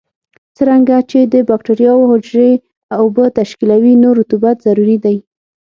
څرنګه چې د بکټریاوو حجرې اوبه تشکیلوي نو رطوبت ضروري دی.